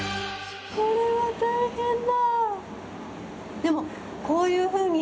これは大変だ。